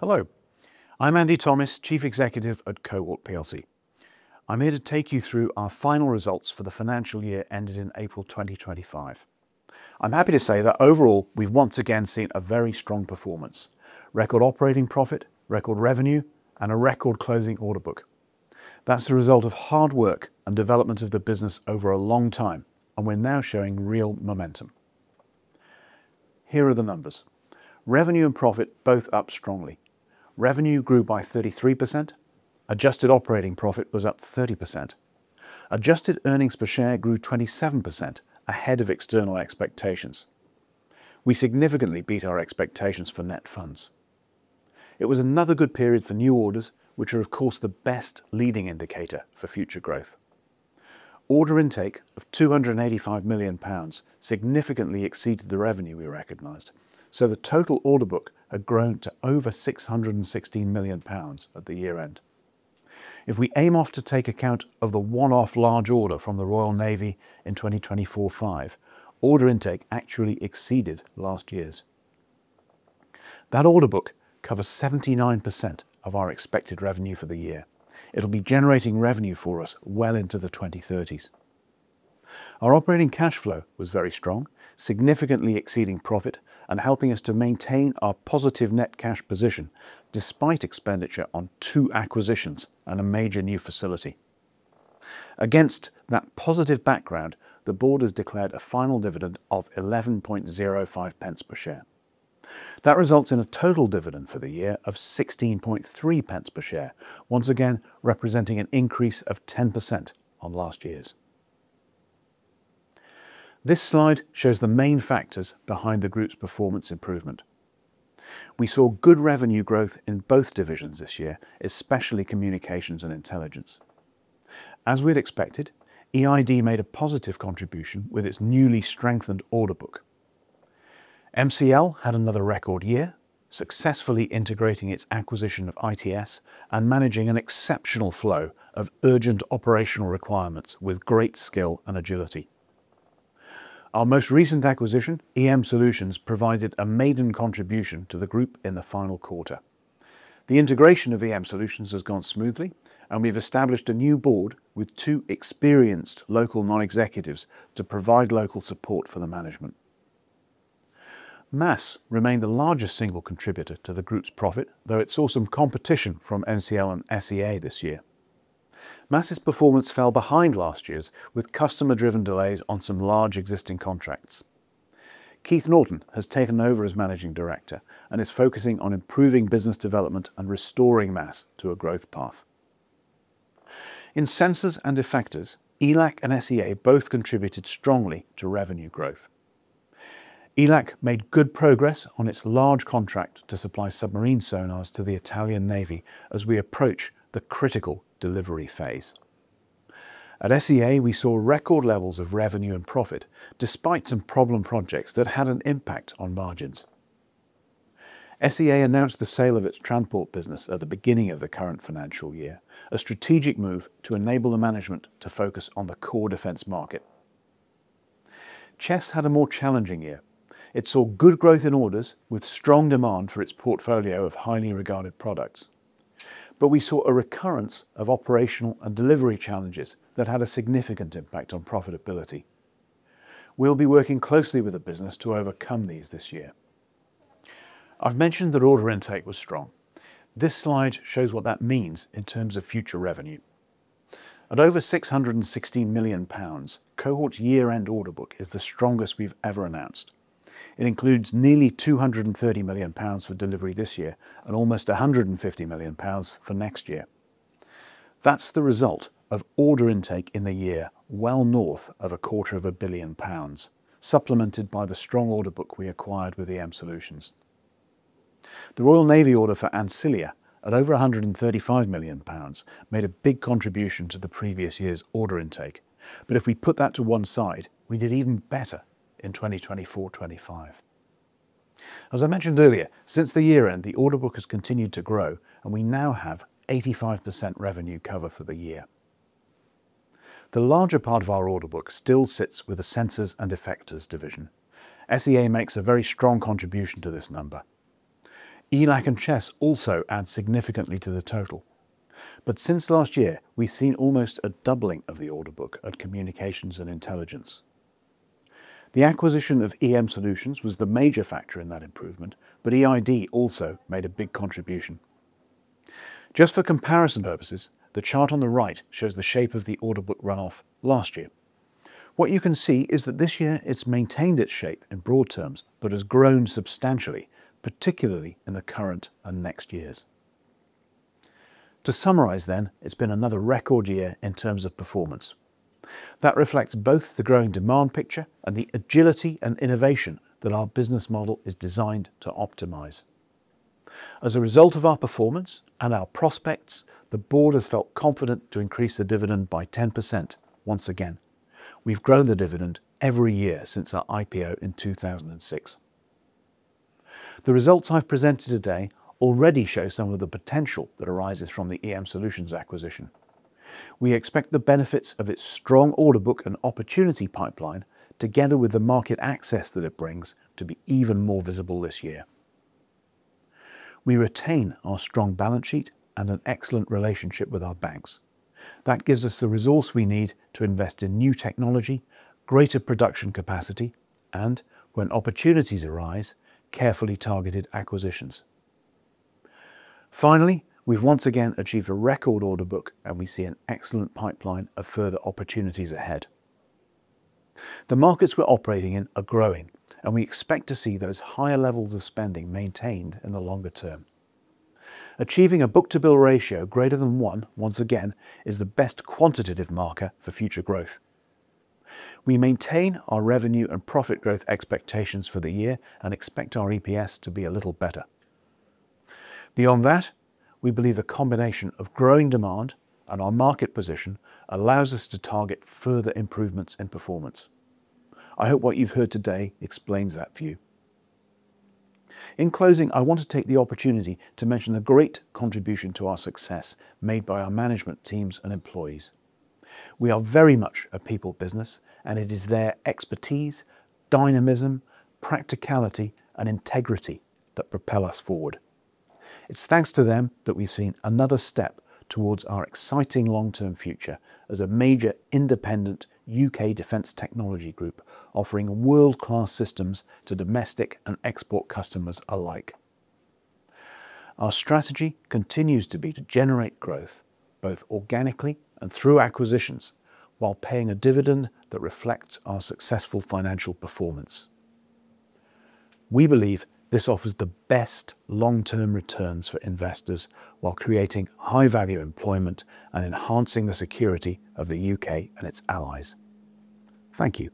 Hello, I'm Andy Thomis, Chief Executive at Cohort PLC. I'm here to take you through our final results for the financial year ended in April 2025. I'm happy to say that overall we've once again seen a very strong performance: record operating profit, record revenue, and a record closing order book. That's the result of hard work and development of the business over a long time, and we're now showing real momentum. Here are the numbers: revenue and profit both up strongly. Revenue grew by 33%, Adjusted operating profit was up 30%, Adjusted earnings per share grew 27% ahead of external expectations. We significantly beat our expectations for Net funds. It was another good period for new orders, which are of course the best leading indicator for future growth. Order intake of 285 million pounds significantly exceeded the revenue we recognized, so the Total order book had grown to over 616 million pounds at the year-end. If we aim off to take account of the one-off large order from the Royal Navy in 2024-2025, order intake actually exceeded last year's. That order book covers 79% of our expected revenue for the year. It'll be generating revenue for us well into the 2030s. Our operating Cash flow was very strong, significantly exceeding profit and helping us to maintain our positive Net cash position despite expenditure on two acquisitions and a major new facility. Against that positive background, the board has declared a final dividend of 11.05 per share. That results in a Total dividend for the year of 16.30 per share, once again representing an increase of 10% on last year's. This slide shows the main factors behind the Group's performance improvement. We saw good revenue growth in both divisions this year, especially communications and intelligence. As we'd expected, EID made a positive contribution with its newly strengthened order book. MCL had another record year, successfully integrating its acquisition of ITS and managing an exceptional flow of urgent operational requirements with great skill and agility. Our most recent acquisition, EM Solutions, provided a maiden contribution to the Group in the final quarter. The integration of EM Solutions has gone smoothly, and we've established a new board with two experienced local non-executives to provide local support for the management. MASS remained the largest single contributor to the Group's profit, though it saw some competition from MCL and SEA this year. MASS's performance fell behind last year's with customer-driven delays on some large existing contracts. Keith Norton has taken over as Managing Director and is focusing on improving business development and restoring MASS to a growth path. In sensors and effectors, ELAC and SEA both contributed strongly to revenue growth. ELAC made good progress on its large contract to supply submarine sonars to the Italian Navy as we approach the critical delivery phase. At SEA, we saw record levels of revenue and profit despite some problem projects that had an impact on margins. SEA announced the sale of its transport business at the beginning of the current financial year, a strategic move to enable the management to focus on the core defense market. Chess had a more challenging year. It saw good growth in orders with strong demand for its portfolio of highly regarded products. However, we saw a recurrence of operational and delivery challenges that had a significant impact on profitability. We will be working closely with the business to overcome these this year. I've mentioned that order intake was strong. This slide shows what that means in terms of future revenue. At over 616 million pounds, Cohort's year-end order book is the strongest we've ever announced. It includes nearly 230 million pounds for delivery this year and almost 150 million pounds for next year. That's the result of order intake in the year well north of a quarter of a billion pounds, supplemented by the strong order book we acquired with EM Solutions. The Royal Navy order for Ancilla at over 135 million pounds made a big contribution to the previous year's order intake. If we put that to one side, we did even better in 2024-2025. As I mentioned earlier, since the year-end, the order book has continued to grow, and we now have 85% revenue cover for the year. The larger part of our order book still sits with the sensors and effectors division. SEA makes a very strong contribution to this number. ELAC and Chess also add significantly to the total. Since last year, we've seen almost a doubling of the order book at communications and intelligence. The acquisition of EM Solutions was the major factor in that improvement, but EID also made a big contribution. Just for comparison purposes, the chart on the right shows the shape of the order book runoff last year. What you can see is that this year it's maintained its shape in broad terms but has grown substantially, particularly in the current and next years. To summarize then, it's been another record year in terms of performance. That reflects both the growing demand picture and the agility and innovation that our business model is designed to optimize. As a result of our performance and our prospects, the board has felt confident to increase the dividend by 10% once again. We've grown the dividend every year since our IPO in 2006. The results I've presented today already show some of the potential that arises from the EM Solutions acquisition. We expect the benefits of its strong order book and opportunity pipeline, together with the market access that it brings, to be even more visible this year. We retain our strong balance sheet and an excellent relationship with our banks. That gives us the resource we need to invest in new technology, greater production capacity, and when opportunities arise, carefully targeted acquisitions. Finally, we've once again achieved a record order book, and we see an excellent pipeline of further opportunities ahead. The markets we're operating in are growing, and we expect to see those higher levels of spending maintained in the longer term. Achieving a book-to-bill ratio greater than one, once again, is the best quantitative marker for future growth. We maintain our revenue and profit growth expectations for the year and expect our EPS to be a little better. Beyond that, we believe the combination of growing demand and our market position allows us to target further improvements in performance. I hope what you've heard today explains that view. In closing, I want to take the opportunity to mention the great contribution to our success made by our management teams and employees. We are very much a people business, and it is their expertise, dynamism, practicality, and integrity that propel us forward. It's thanks to them that we've seen another step towards our exciting long-term future as a major independent UK Defense Technology Group offering world-class systems to domestic and export customers alike. Our strategy continues to be to generate growth both organically and through acquisitions while paying a dividend that reflects our successful financial performance. We believe this offers the best long-term returns for investors while creating high-value employment and enhancing the security of the UK and its allies. Thank you.